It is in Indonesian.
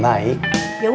masih berani kamu